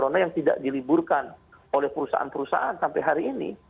karena yang tidak diliburkan oleh perusahaan perusahaan sampai hari ini